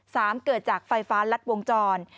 เกิดจากไฟฟ้ารัดวงจร